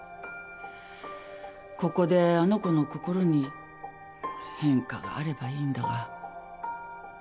ここであの子の心に変化があればいいんだが。